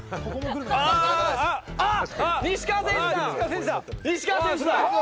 あっ、西川選手だ！